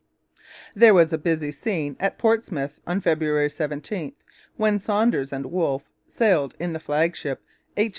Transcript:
There was a busy scene at Portsmouth on February 17, when Saunders and Wolfe sailed in the flagship H.